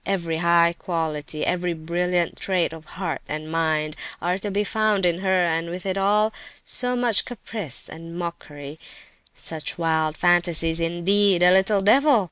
Every high quality, every brilliant trait of heart and mind, are to be found in her, and, with it all, so much caprice and mockery, such wild fancies—indeed, a little devil!